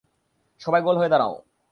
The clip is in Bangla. সবাই, গোল হয়ে দাঁড়াও।